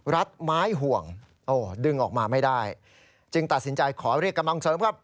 รัดไม้ห่วงโอ้ดึงออกมาไม่ได้จึงตัดสินใจขอเรียกกำลังเสริมครับ